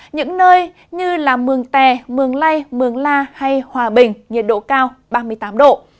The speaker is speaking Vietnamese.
những nơi như mường tè mường lây mường la hay hòa bình nhiệt độ cao ba mươi tám độ